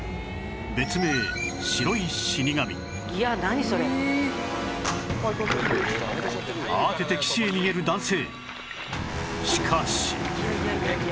別名慌てて岸へ逃げる男性